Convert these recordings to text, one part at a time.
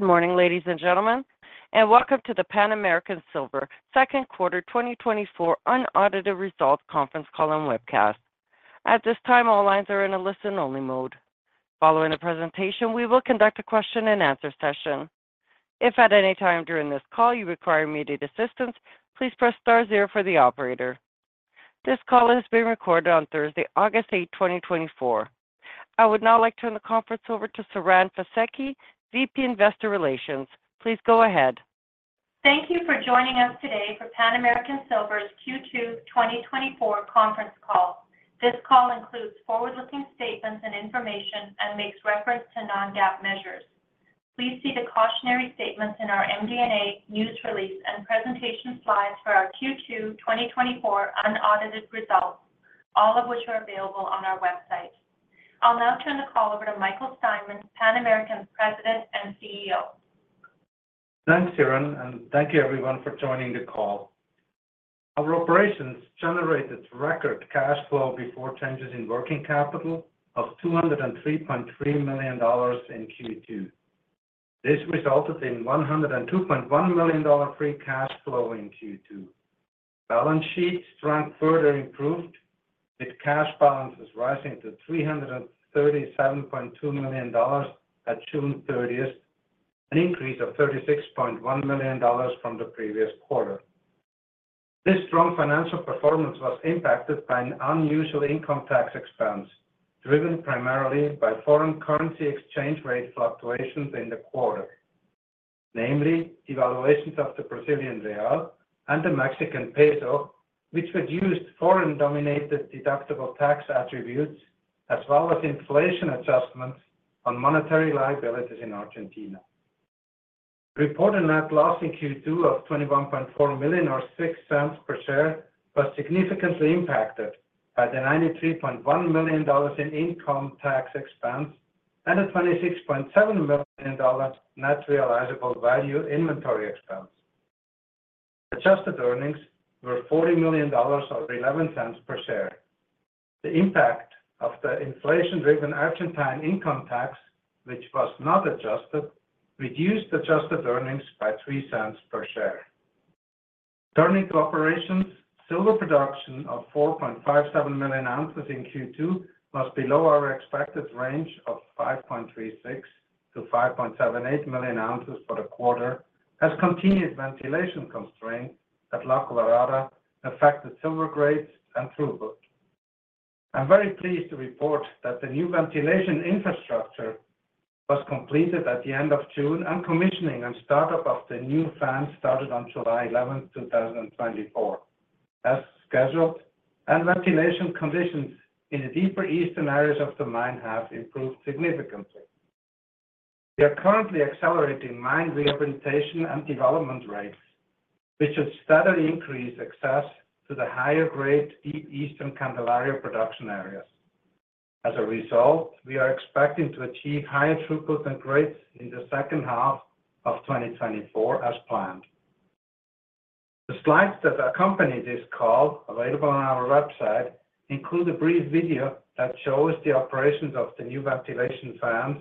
Good morning, ladies and gentlemen, and welcome to the Pan American Silver second quarter 2024 unaudited results conference call and webcast. At this time, all lines are in a listen-only mode. Following the presentation, we will conduct a question-and-answer session. If at any time during this call you require immediate assistance, please press star zero for the operator. This call is being recorded on Thursday, August 8, 2024. I would now like to turn the conference over to Siren Fisekci, VP, Investor Relations. Please go ahead. Thank you for joining us today for Pan American Silver's Q2 2024 conference call. This call includes forward-looking statements and information and makes reference to non-GAAP measures. Please see the cautionary statements in our MD&A news release and presentation slides for our Q2 2024 unaudited results, all of which are available on our website. I'll now turn the call over to Michael Steinmann, Pan American's President and CEO. Thanks, Siren, and thank you everyone for joining the call. Our operations generated record cash flow before changes in working capital of $203.3 million in Q2. This resulted in $102.1 million free cash flow in Q2. Balance sheet strength further improved, with cash balances rising to $337.2 million at June 30, an increase of $36.1 million from the previous quarter. This strong financial performance was impacted by an unusual income tax expense, driven primarily by foreign currency exchange rate fluctuations in the quarter. Namely, devaluations of the Brazilian real and the Mexican peso, which reduced foreign-denominated deductible tax attributes, as well as inflation adjustments on monetary liabilities in Argentina. Reported net loss in Q2 of $21.4 million or $0.06 per share, was significantly impacted by the $93.1 million in income tax expense and a $26.7 million net realizable value inventory expense. Adjusted earnings were $40 million or $0.11 per share. The impact of the inflation-driven Argentine income tax, which was not adjusted, reduced adjusted earnings by $0.03 per share. Turning to operations, silver production of 4.57 million ounces in Q2 was below our expected range of 5.36-5.78 million ounces for the quarter, as continued ventilation constraints at La Colorada affected silver grades and throughput. I'm very pleased to report that the new ventilation infrastructure was completed at the end of June, and commissioning and startup of the new fans started on July 11, 2024, as scheduled, and ventilation conditions in the deeper eastern areas of the mine have improved significantly. We are currently accelerating mine preparationand development rates, which should steadily increase access to the higher-grade deep eastern Candelaria production areas. As a result, we are expecting to achieve higher throughput and grades in the second half of 2024 as planned. The slides that accompany this call, available on our website, include a brief video that shows the operations of the new ventilation fans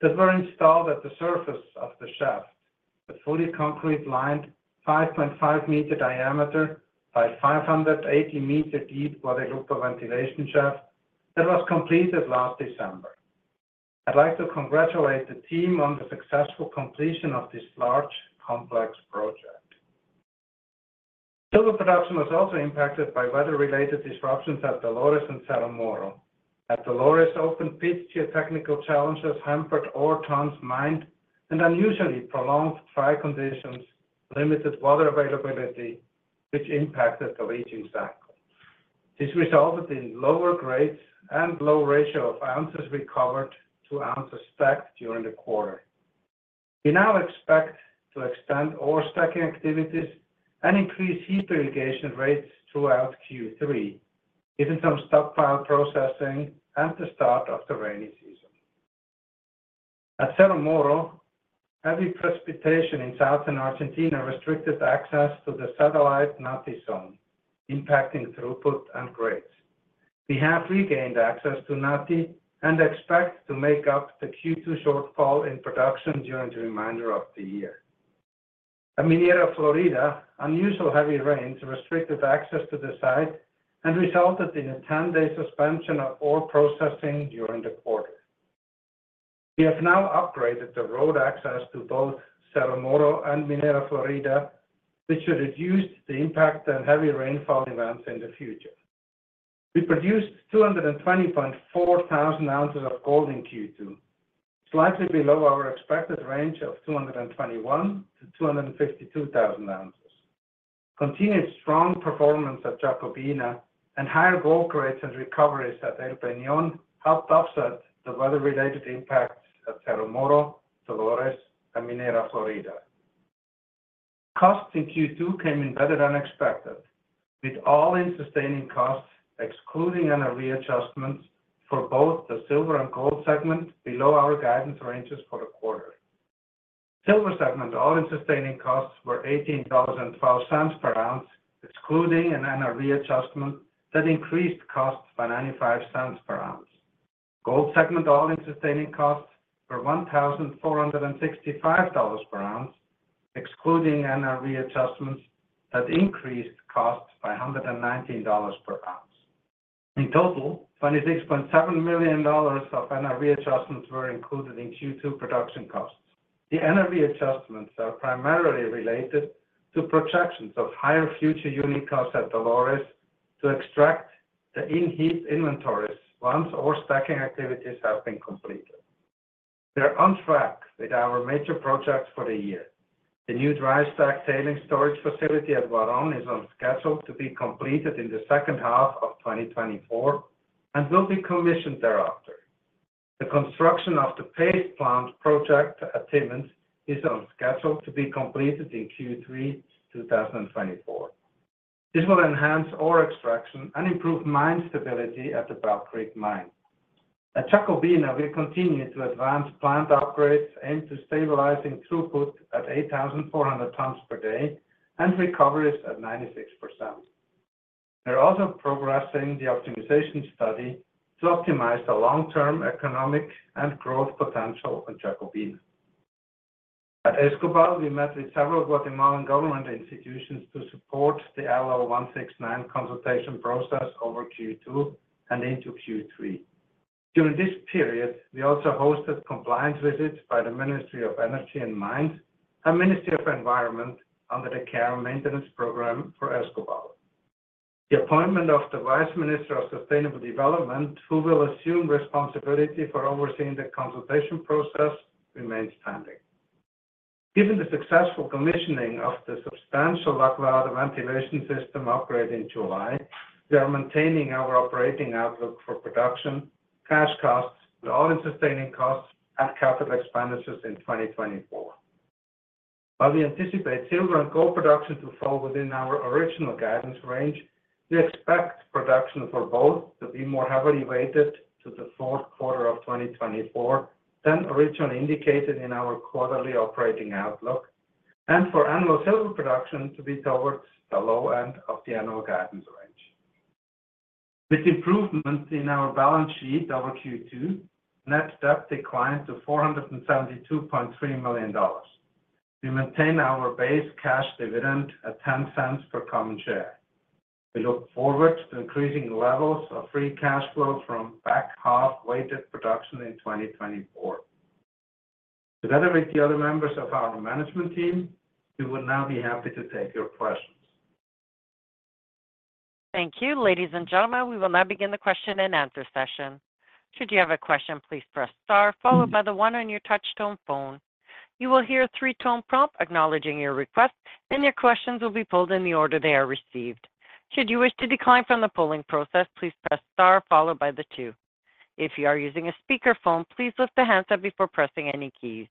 that were installed at the surface of the shaft. The fully concrete-lined, 5.5-meter diameter by 580 meters deep for the group of ventilation shaft that was completed last December. I'd like to congratulate the team on the successful completion of this large, complex project. Silver production was also impacted by weather-related disruptions at Dolores and Cerro Moro. At Dolores, open-pit geotechnical challenges hampered ore tons mined and unusually prolonged dry conditions limited water availability, which impacted the leaching cycle. This resulted in lower grades and low ratio of ounces recovered to ounces stacked during the quarter. We now expect to extend ore stacking activities and increase heap irrigation rates throughout Q3, given some stockpile processing and the start of the rainy season. At Cerro Moro, heavy precipitation in southern Argentina restricted access to the satellite Naty Zone, impacting throughput and grades. We have regained access to Naty and expect to make up the Q2 shortfall in production during the remainder of the year. At Minera Florida, unusual heavy rains restricted access to the site and resulted in a 10-day suspension of ore processing during the quarter. We have now upgraded the road access to both Cerro Moro and Minera Florida, which should reduce the impact and heavy rainfall events in the future. We produced 220.4 thousand ounces of gold in Q2, slightly below our expected range of 221 to 252 thousand ounces. Continued strong performance at Jacobina and higher gold grades and recoveries at El Peñon helped offset the weather-related impacts at Cerro Moro, Dolores, and Minera Florida. Costs in Q2 came in better than expected, with All-in Sustaining Costs, excluding NRV adjustments for both the silver and gold segment below our guidance ranges for the quarter. Silver segment All-in Sustaining Costs were $180.12 per ounce, excluding an NRV adjustment that increased costs by $0.95 per ounce. Gold segment All-in Sustaining Costs were $1,465 per ounce, excluding NRV adjustments that increased costs by $119 per ounce. In total, $26.7 million of NRV adjustments were included in Q2 production costs. The NRV adjustments are primarily related to projections of higher future unit costs at Dolores to extract the in-heap inventories once all stacking activities have been completed. We are on track with our major projects for the year. The new dry stack tailings storage facility at Huaron is on schedule to be completed in the second half of 2024, and will be commissioned thereafter. The construction of the paste plant project at Timmins is on schedule to be completed in Q3 2024. This will enhance ore extraction and improve mine stability at the Bell Creek mine. At Jacobina, we continue to advance plant upgrades, aimed to stabilizing throughput at 8,400 tons per day, and recoveries at 96%. We're also progressing the optimization study to optimize the long-term economic and growth potential on Jacobina. At Escobal, we met with several Guatemalan government institutions to support the LO169 consultation process over Q2 and into Q3. During this period, we also hosted compliance visits by the Ministry of Energy and Mines and Ministry of Environment under the Care and Maintenance Program for Escobal. The appointment of the Vice Minister of Sustainable Development, who will assume responsibility for overseeing the consultation process, remains standing. Given the successful commissioning of the substantial La Colorada ventilation system upgrade in July, we are maintaining our operating outlook for production, cash costs, with All-in Sustaining Costs and capital expenditures in 2024. While we anticipate silver and gold production to fall within our original guidance range, we expect production for both to be more heavily weighted to the fourth quarter of 2024 than originally indicated in our quarterly operating outlook, and for annual silver production to be towards the low end of the annual guidance range. With improvements in our balance sheet over Q2, net debt declined to $472.3 million. We maintain our base cash dividend at $0.10 per common share. We look forward to increasing levels of free cash flow from back-half-weighted production in 2024. Together with the other members of our management team, we will now be happy to take your questions. Thank you. Ladies and gentlemen, we will now begin the question and answer session. Should you have a question, please press star followed by the one on your touchtone phone. You will hear a three-tone prompt acknowledging your request, and your questions will be pulled in the order they are received. Should you wish to decline from the polling process, please press star followed by the two. If you are using a speakerphone, please lift the handset before pressing any keys.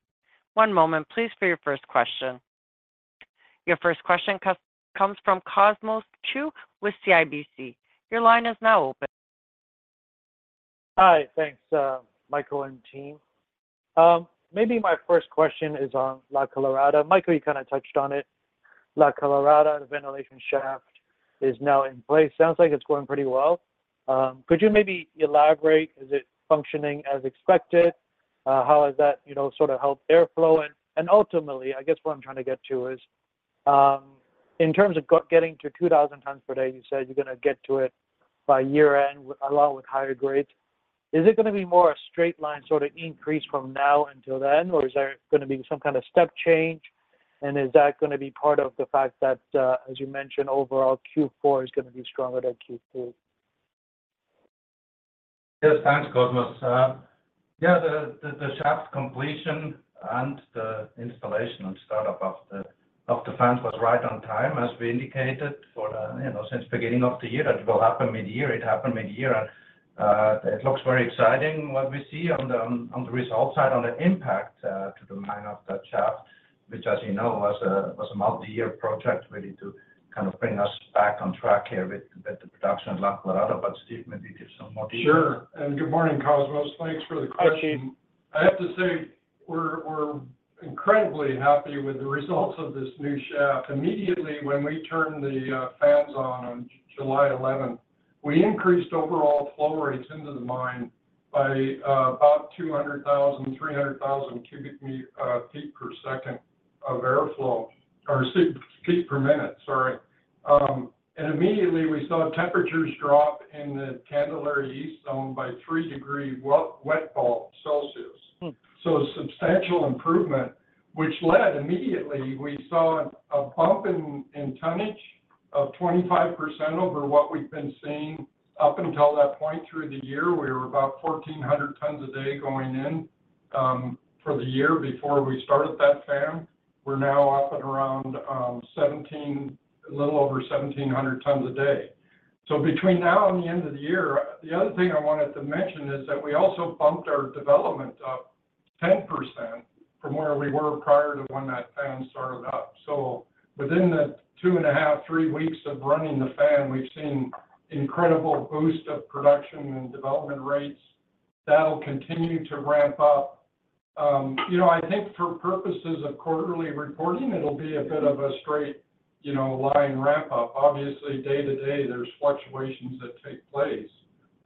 One moment, please, for your first question. Your first question comes from Cosmos Chiu with CIBC. Your line is now open. Hi. Thanks, Michael and team. Maybe my first question is on La Colorada. Michael, you kind of touched on it. La Colorada, the ventilation shaft is now in place. Sounds like it's going pretty well. Could you maybe elaborate, is it functioning as expected? How has that, you know, sort of helped airflow? And ultimately, I guess what I'm trying to get to is, in terms of getting to 2,000 tons per day, you said you're gonna get to it by year-end, along with higher grades. Is it gonna be more a straight line sort of increase from now until then, or is there gonna be some kind of step change? And is that gonna be part of the fact that, as you mentioned, overall, Q4 is gonna be stronger than Q3? Yes, thanks, Cosmos. Yeah, the shaft completion and the installation and startup of the fans was right on time, as we indicated for the, you know, since beginning of the year, that it will happen mid-year. It happened mid-year, and it looks very exciting, what we see on the result side, on the impact to the mine of that shaft, which, as you know, was a multi-year project, really, to kind of bring us back on track here with the production in La Colorada. But Steve, maybe give some more detail. Sure, and good morning, Cosmos. Thanks for the question. I have to say, we're incredibly happy with the results of this new shaft. Immediately, when we turned the fans on, on July eleventh, we increased overall flow rates into the mine by about 200,000-300,000 cubic meter feet per second of airflow, or feet per minute, sorry. And immediately, we saw temperatures drop in the Candelaria East zone by three degrees wet bulb Celsius. Hmm. So substantial improvement, which led immediately, we saw a pump in, in tonnage of 25% over what we've been seeing up until that point through the year. We were about 1,400 tons a day going in, for the year before we started that fan. We're now up at around, a little over 1,700 tons a day. So between now and the end of the year. The other thing I wanted to mention is that we also bumped our development up 10% from where we were prior to when that fan started up. So within the two and a half, three weeks of running the fan, we've seen incredible boost of production and development rates. That'll continue to ramp up. You know, I think for purposes of quarterly reporting, it'll be a bit of a straight, you know, line ramp up. Obviously, day to day, there's fluctuations that take place.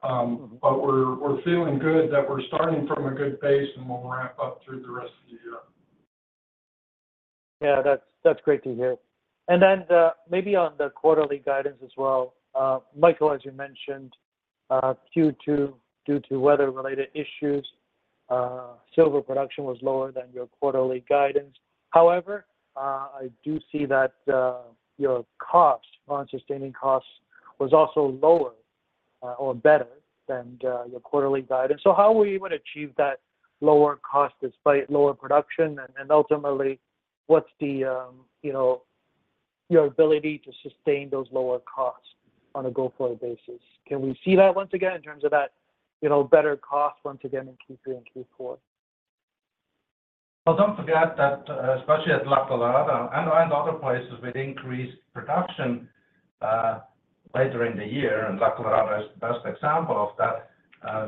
But we're feeling good that we're starting from a good base, and we'll ramp up through the rest of the year. Yeah, that's great to hear. And then, maybe on the quarterly guidance as well, Michael, as you mentioned, Q2, due to weather-related issues, silver production was lower than your quarterly guidance. However, I do see that your costs, non-sustaining costs, was also lower, or better than your quarterly guidance. So how were you able to achieve that lower cost despite lower production? And ultimately, what's your ability to sustain those lower costs on a go-forward basis? Can we see that once again, in terms of that, you know, better cost once again in Q3 and Q4? Well, don't forget that, especially at La Colorada and other places with increased production later in the year, and La Colorada is the best example of that.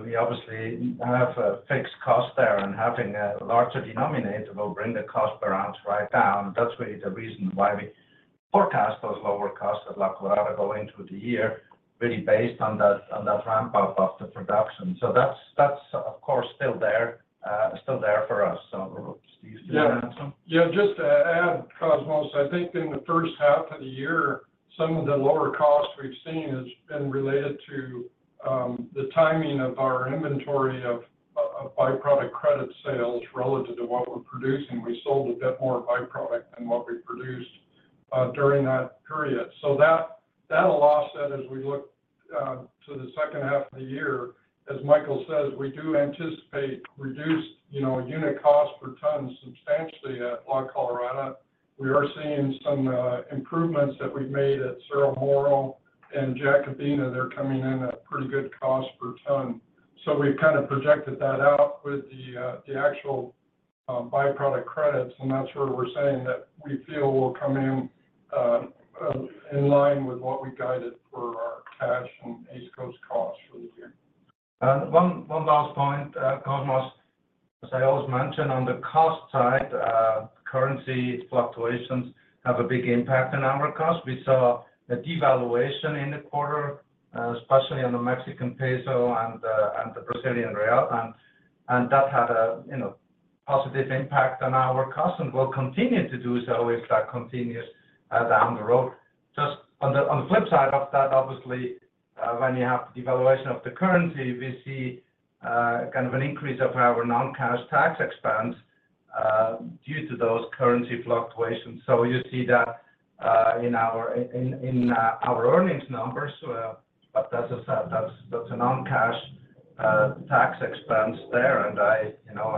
We obviously have a fixed cost there, and having a larger denominator will bring the cost per ounce right down. That's really the reason why we forecast those lower costs at La Colorada going through the year, really based on that ramp up of the production. So that's, of course, still there, still there for us. So, Steve, do you want to add something? Yeah. Yeah, just to add, Cosmos, I think in the first half of the year, some of the lower costs we've seen has been related to the timing of our inventory of by-product credit sales relative to what we're producing. We sold a bit more by-product than what we produced during that period. So that will offset as we look to the second half of the year. As Michael says, we do anticipate reduced, you know, unit cost per ton substantially at La Colorada. We are seeing some improvements that we've made at Cerro Moro and Jacobina. They're coming in at pretty good cost per ton. So we've kind of projected that out with the actual by-product credits, and that's where we're saying that we feel we'll come in line with what we guided for our cash and AISC costs for the year. One last point, Cosmos, as I always mention, on the cost side, currency fluctuations have a big impact on our cost. We saw a devaluation in the quarter, especially on the Mexican peso and the Brazilian real, and that had a, you know, positive impact on our cost and will continue to do so if that continues down the road. Just on the flip side of that, obviously, when you have devaluation of the currency, we see kind of an increase of our non-cash tax expense due to those currency fluctuations. So you see that in our earnings numbers, but that's a non-cash tax expense there. And I, you know,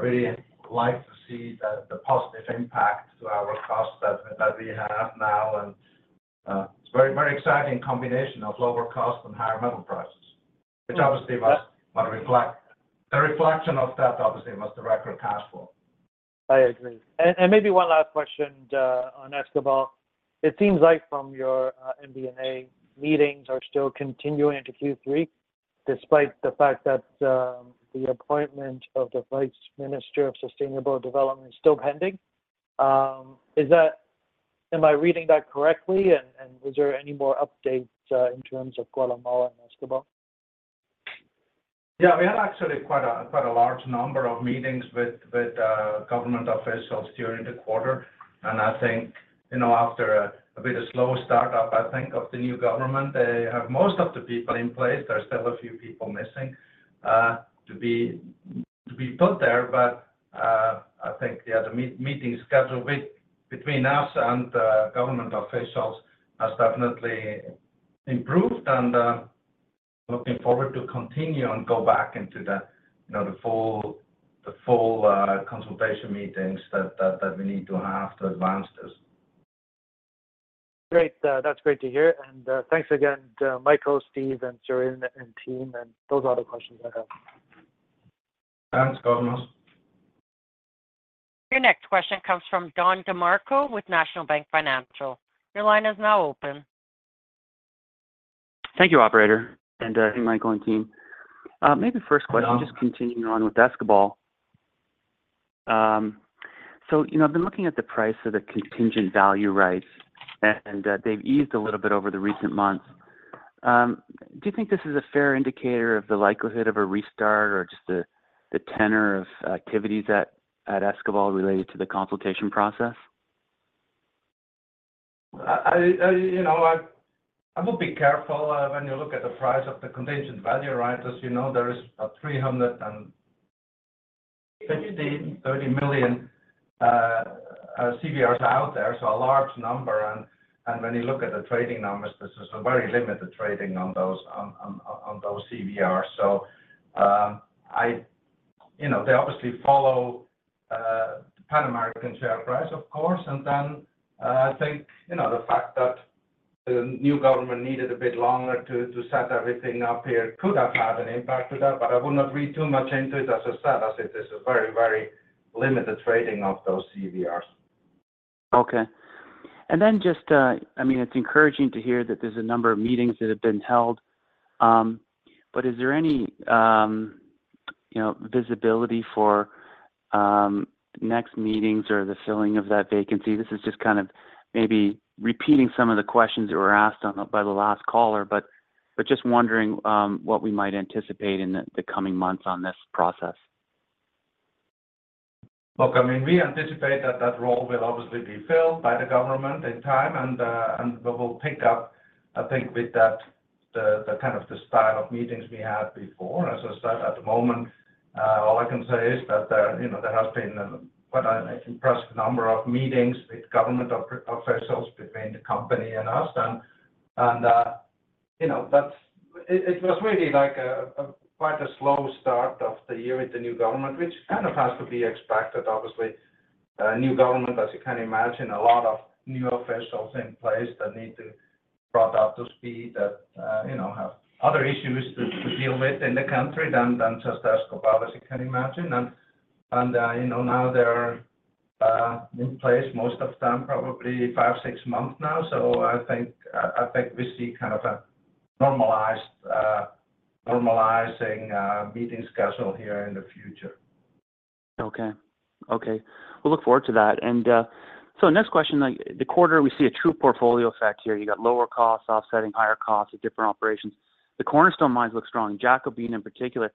really like to see the positive impact to our cost that we have now. And it's very, very exciting combination of lower cost and higher metal prices, which obviously must reflect... A reflection of that, obviously, was the record cash flow. I agree. And maybe one last question on Escobal. It seems like from your MARN meetings are still continuing into Q3, despite the fact that the appointment of the Vice Minister of Sustainable Development is still pending. Is that, am I reading that correctly? And is there any more updates in terms of Guatemala and Escobal? Yeah, we had actually quite a large number of meetings with government officials during the quarter. I think, you know, after a bit of a slow start up, I think, of the new government, they have most of the people in place. There's still a few people missing to be put there, but I think, yeah, the meeting schedule between us and government officials has definitely improved, and looking forward to continue and go back into the, you know, the full consultation meetings that we need to have to advance this. Great. That's great to hear. Thanks again, Michael, Steve, and Siren and team, and those are all the questions I have. Thanks, Cosmos. Your next question comes from Don DeMarco with National Bank Financial. Your line is now open. Thank you, operator, and Michael and team. Maybe first question, just continuing on with Escobal. So, you know, I've been looking at the price of the contingent value rights, and they've eased a little bit over the recent months. Do you think this is a fair indicator of the likelihood of a restart or just the tenor of activities at Escobal related to the consultation process? I would be careful when you look at the price of the contingent value rights. As you know, there is 330 million CVRs out there, so a large number. And when you look at the trading numbers, this is a very limited trading on those CVRs. So, you know, they obviously follow Pan American share price, of course. And then, I think, you know, the fact that the new government needed a bit longer to set everything up here could have had an impact to that, but I would not read too much into it as a status. It is a very, very limited trading of those CVRs.... Okay. And then just, I mean, it's encouraging to hear that there's a number of meetings that have been held. But is there any, you know, visibility for next meetings or the filling of that vacancy? This is just kind of maybe repeating some of the questions that were asked by the last caller, but just wondering what we might anticipate in the coming months on this process. Look, I mean, we anticipate that that role will obviously be filled by the government in time, and, and we will pick up, I think, with that, the kind of the style of meetings we had before. As I said, at the moment, all I can say is that there, you know, there has been, an impressive number of meetings with government officials between the company and us. And, and, you know, it, it was really like a, a quite a slow start of the year with the new government, which kind of has to be expected. Obviously, a new government, as you can imagine, a lot of new officials in place that need to brought up to speed, that, you know, have other issues to, to deal with in the country than, than just Escobal, as you can imagine. And you know, now they're in place, most of them, probably five, six months now. So I think I think we see kind of a normalized, normalizing meeting schedule here in the future. Okay. Okay, we'll look forward to that. And so next question, like the quarter, we see a true portfolio effect here. You got lower costs offsetting higher costs at different operations. The cornerstone mines look strong, Jacobina in particular.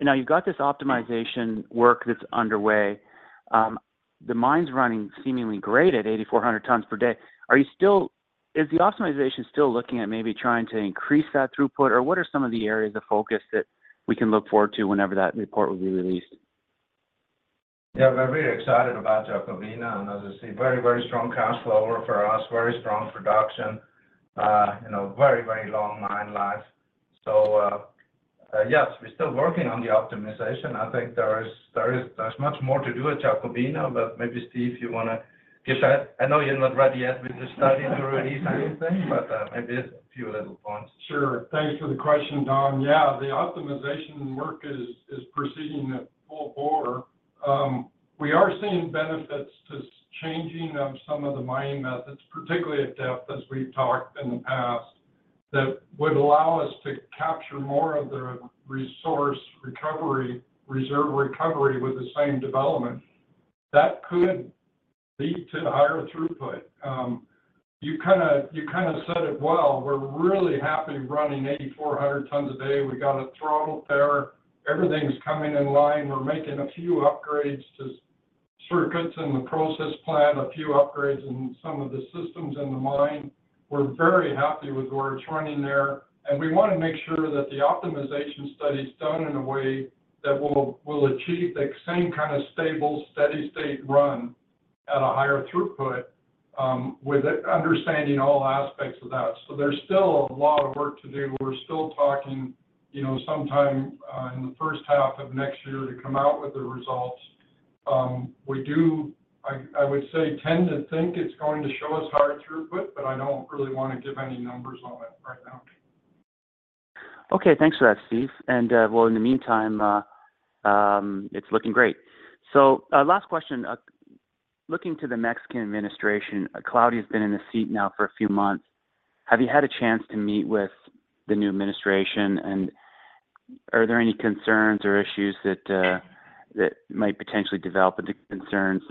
Now, you've got this optimization work that's underway. The mine's running seemingly great at 8,400 tons per day. Is the optimization still looking at maybe trying to increase that throughput? Or what are some of the areas of focus that we can look forward to whenever that report will be released? Yeah, we're very excited about Jacobina, and as I see, very, very strong cash flow for us, very strong production, you know, very, very long mine life. So, yes, we're still working on the optimization. I think there is-- there's much more to do at Jacobina, but maybe, Steve, you want to give that? I know you're not ready yet with the study to release anything, but, maybe a few little points. Sure. Thanks for the question, Don. Yeah, the optimization work is proceeding at full bore. We are seeing benefits to changing some of the mining methods, particularly at depth, as we've talked in the past, that would allow us to capture more of the resource recovery, reserve recovery with the same development. That could lead to the higher throughput. You kinda said it well. We're really happy running 8,400 tons a day. We got a throttle there. Everything's coming in line. We're making a few upgrades to circuits in the process plant, a few upgrades in some of the systems in the mine. We're very happy with where it's running there, and we want to make sure that the optimization study is done in a way that will achieve the same kind of stable, steady state run at a higher throughput, with understanding all aspects of that. So there's still a lot of work to do. We're still talking, you know, sometime in the first half of next year to come out with the results. We do, I would say, tend to think it's going to show us higher throughput, but I don't really want to give any numbers on it right now. Okay, thanks for that, Steve. Well, in the meantime, it's looking great. So, last question, looking to the Mexican administration, Claudia has been in the seat now for a few months. Have you had a chance to meet with the new administration, and are there any concerns or issues that might potentially develop into concerns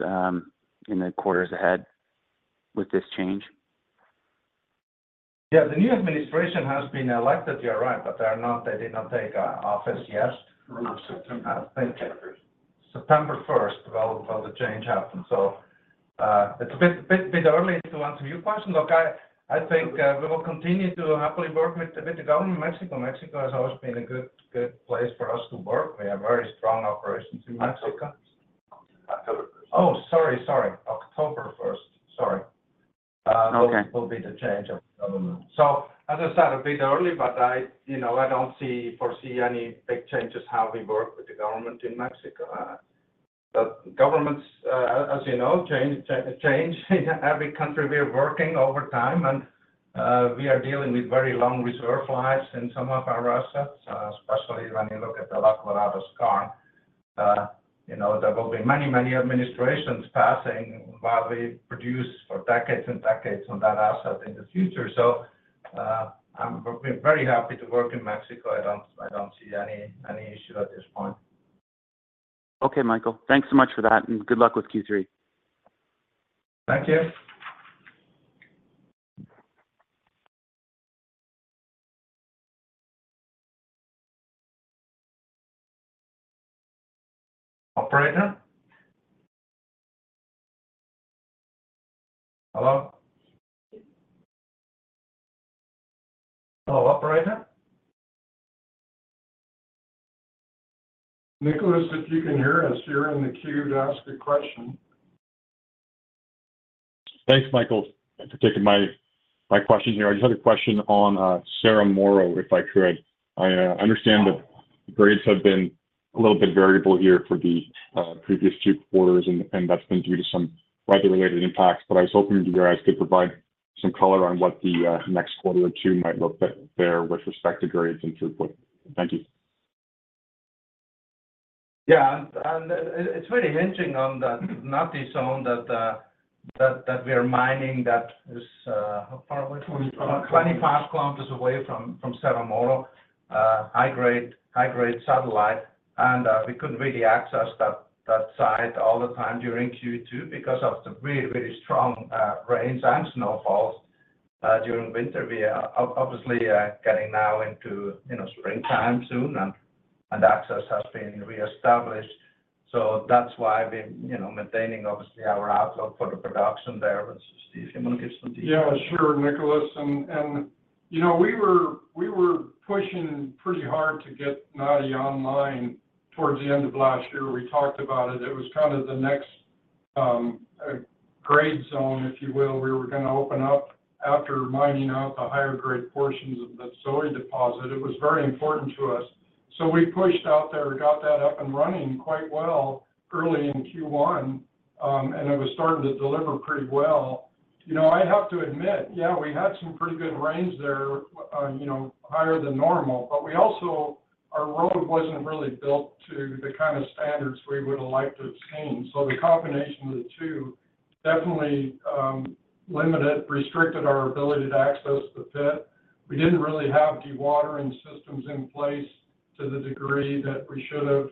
in the quarters ahead with this change? Yeah, the new administration has been elected, you're right, but they did not take office yet. September first. September first, well, the change happened. So, it's a bit early to answer your question. Look, I think we will continue to happily work with the government of Mexico. Mexico has always been a good place for us to work. We have very strong operations in Mexico. October first. Oh, sorry, sorry, October first. Sorry. Okay. Will be the change of government. So as I said, a bit early, but I, you know, I don't foresee any big changes how we work with the government in Mexico. But governments, as you know, change, change in every country. We're working over time, and we are dealing with very long reserve lives in some of our assets, especially when you look at the La Colorada mine. You know, there will be many, many administrations passing while we produce for decades and decades on that asset in the future. So, I'm very happy to work in Mexico. I don't, I don't see any, any issue at this point. Okay, Michael. Thanks so much for that, and good luck with Q3. Thank you. Operator? Hello? Hello, operator. Nicholas, if you can hear us, you're in the queue to ask a question. Thanks, Michael, for taking my question here. I just had a question on Cerro Moro, if I could. I understand the grades have been a little bit variable here for the previous two quarters, and that's been due to some regulatory impacts, but I was hoping if you guys could provide some color on what the next quarter or two might look like there with respect to grades and throughput. Thank you. ... Yeah, and it’s really hinging on the Naty Zone that we are mining that is how far away from us? 25 km away from Cerro Moro. High grade, high grade satellite. And we couldn’t really access that site all the time during Q2 because of the really, really strong rains and snowfalls during winter. We are obviously getting now into, you know, springtime soon, and access has been reestablished. So that’s why we’ve, you know, maintaining obviously our outlook for the production there. But Steve, you want to give some details? Yeah, sure, Nicholas. And you know, we were pushing pretty hard to get Naty online towards the end of last year. We talked about it. It was kind of the next grade zone, if you will. We were gonna open up after mining out the higher grade portions of the Zoe deposit. It was very important to us. So we pushed out there and got that up and running quite well early in Q1, and it was starting to deliver pretty well. You know, I have to admit, yeah, we had some pretty good rains there, you know, higher than normal, but we also—our road wasn't really built to the kind of standards we would have liked to obtain. So the combination of the two definitely limited, restricted our ability to access the pit. We didn't really have dewatering systems in place to the degree that we should have,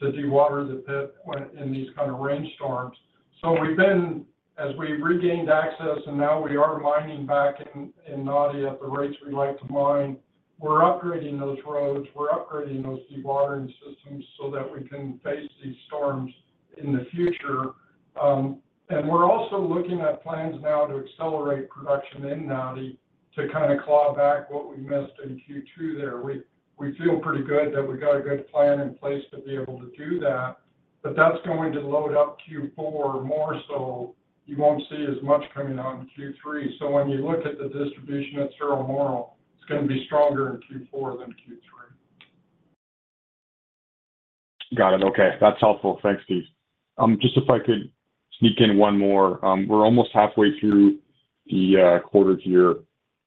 to dewater the pit when in these kind of rainstorms. So we've been, as we regained access, and now we are mining back in Naty at the rates we like to mine, we're upgrading those roads, we're upgrading those dewatering systems so that we can face these storms in the future. And we're also looking at plans now to accelerate production in Naty to kinda claw back what we missed in Q2 there. We feel pretty good that we got a good plan in place to be able to do that, but that's going to load up Q4 more, so you won't see as much coming out in Q3. So when you look at the distribution at Cerro Moro, it's gonna be stronger in Q4 than Q3. Got it. Okay, that's helpful. Thanks, Steve. Just if I could sneak in one more. We're almost halfway through the quarter here,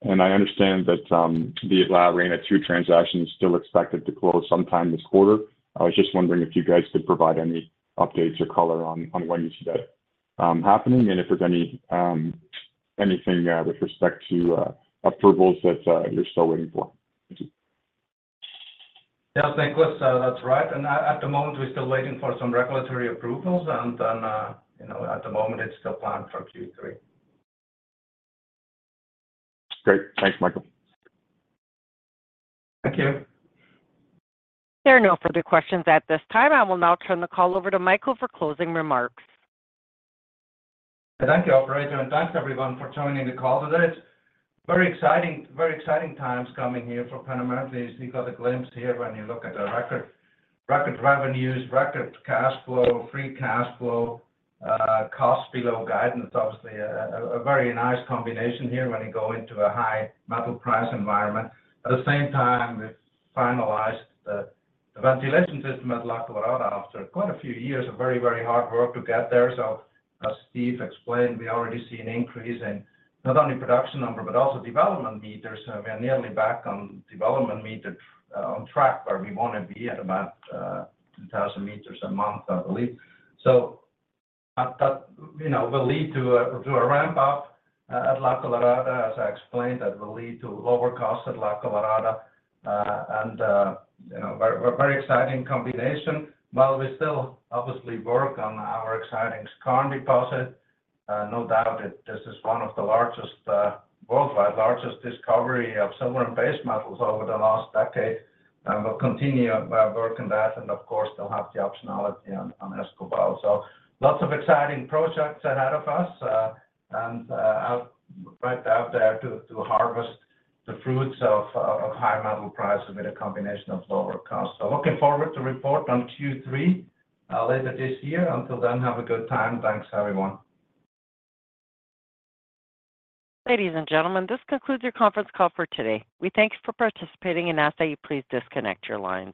and I understand that the Labrana two transaction is still expected to close sometime this quarter. I was just wondering if you guys could provide any updates or color on when you see that happening, and if there's any anything with respect to approvals that you're still waiting for. Thank you. Yeah, Nicholas, that's right. And at the moment, we're still waiting for some regulatory approvals. And then, you know, at the moment, it's still planned for Q3. Great. Thanks, Michael. Thank you. There are no further questions at this time. I will now turn the call over to Michael for closing remarks. Thank you, operator, and thanks, everyone, for joining the call today. Very exciting, very exciting times coming here for Pan American. You got a glimpse here when you look at the record, record revenues, record cash flow, free cash flow, cost below guidance. Obviously, a, a very nice combination here when you go into a high metal price environment. At the same time, we finalized the ventilation system at La Colorada after quite a few years of very, very hard work to get there. So as Steve explained, we already see an increase in not only production number, but also development meters. We are nearly back on development meter, on track where we want to be at about, 2,000 meters a month, I believe. So that you know will lead to a ramp up at La Colorada, as I explained, that will lead to lower cost at La Colorada, and you know very, very exciting combination. While we still obviously work on our exciting Skarn deposit, no doubt that this is one of the largest worldwide largest discovery of silver and base metals over the last decade. And we'll continue work on that, and of course they'll have the optionality on Escobal. So lots of exciting projects ahead of us, and right out there to harvest the fruits of high metal prices with a combination of lower costs. So looking forward to report on Q3 later this year. Until then, have a good time. Thanks, everyone. Ladies and gentlemen, this concludes your conference call for today. We thank you for participating and ask that you please disconnect your lines.